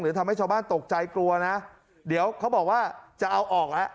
หรือทำให้ชอบบ้านตกใจกลัวน่ะเดี๋ยวเขาบอกว่าจะเอาออกนะ